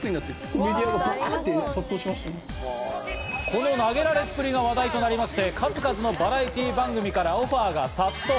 この投げられっぷりが話題となりまして、数々のバラエティー番組からオファーが殺到。